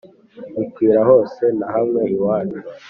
bikwira hose nahamwe iwacu ,